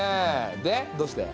でどうして？